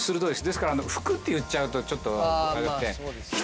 ですから服って言っちゃうとちょっと。